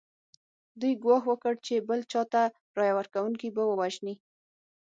دوی ګواښ وکړ چې بل چا ته رایه ورکونکي به ووژني.